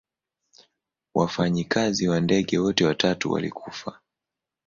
Wafanyikazi wa ndege wote watatu walikufa.